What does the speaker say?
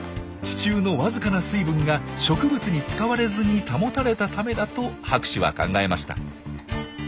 地中のわずかな水分が植物に使われずに保たれたためだと博士は考えました。